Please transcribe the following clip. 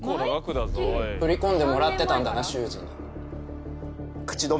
振り込んでもらってたんだな秀司に。